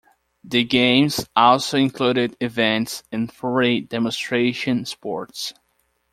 The Games also included events in three demonstration sports.